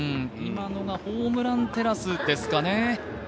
今のがホームランテラスですかね。